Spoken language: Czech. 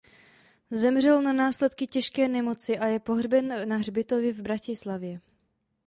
Zemřel na následky těžké nemoci a je pohřben na hřbitově v Bratislavě.